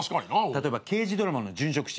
例えば刑事ドラマの殉職シーン。